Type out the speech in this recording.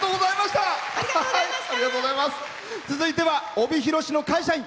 続いては帯広市の会社員。